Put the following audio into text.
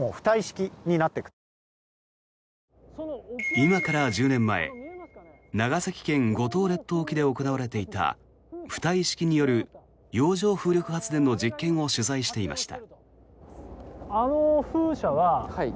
今から１０年前長崎県・五島列島沖で行われていた浮体式による洋上風力発電の実験を取材していました。